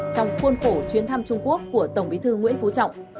trong khuôn khổ chuyến thăm trung quốc của tổng bí thư nguyễn phú trọng